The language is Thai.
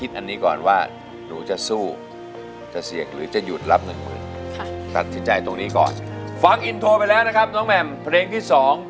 ต้องอย่างงี้